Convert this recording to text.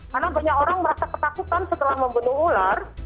karena banyak orang merasa ketakutan setelah membunuh ular